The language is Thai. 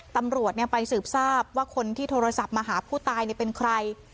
ตำรวจไปสืบทราบว่าคนที่โทรศัพท์มาหาผู้ตายเป็นใคร